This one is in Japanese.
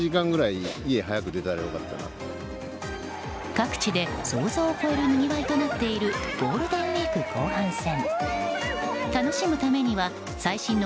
各地で、想像を超えるにぎわいとなっているゴールデンウィーク後半戦。